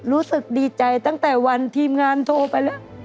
รู้สึกดีใจตั้งแต่วันทีมงานโทรไปแล้ว